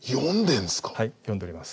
はい読んでおります。